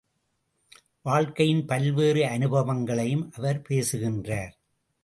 வாழ்க்கையின் பல்வேறு அனுபவங்களையும் அவர் பேசுகின்றார்.